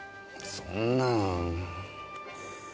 そんなぁ。